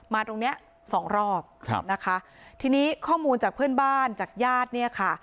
ตรงเนี้ยสองรอบครับนะคะทีนี้ข้อมูลจากเพื่อนบ้านจากญาติเนี่ยค่ะ